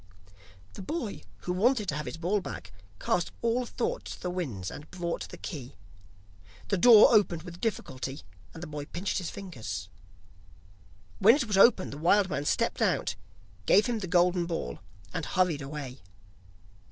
The boy, who wanted to have his ball back, cast all thought to the winds, and brought the key. The door opened with difficulty, and the boy pinched his fingers. When it was open the wild man stepped out, gave him the golden ball, and hurried away.